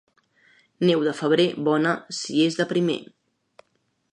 Neu de febrer, bona si és de primer.